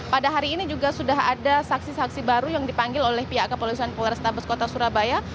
pada hari ini juga sudah ada saksi saksi baru yang dipanggil oleh pihak kepolisian polrestabes kota surabaya